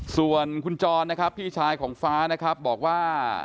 ส่วนคุณจรนะครับพี่ชายของฟ้านะครับบอกว่า